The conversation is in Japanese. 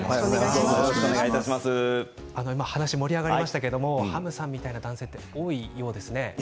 話が盛り上がりましたがハムさんみたいな男性は多いようですね。